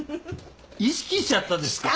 意識しちゃったんですか？